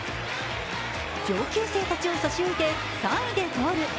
上級生たちを差し置いて３位でゴール。